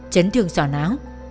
chấn thương sọ náo